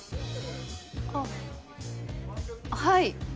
あっはい。